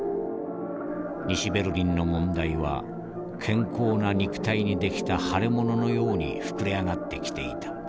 西ベルリンの問題は健康な肉体に出来た腫れ物のように膨れ上がってきていた。